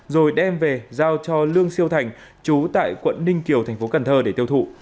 rồi đem về giao cho lương siêu thành chú tại quận ninh kiều thành phố cần thơ để tiêu thụ